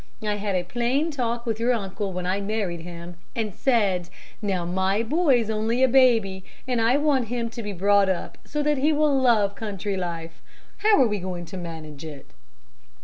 I had a plain talk with your uncle when I married him, and said, 'Now, my boy's only a baby, and I want him to be brought up so that he will love country life. How are we going to manage it?'